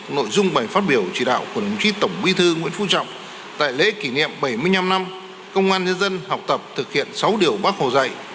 nội dung bài phát biểu chỉ đạo của đồng chí tổng bí thư nguyễn phú trọng tại lễ kỷ niệm bảy mươi năm năm công an nhân dân học tập thực hiện sáu điều bác hồ dạy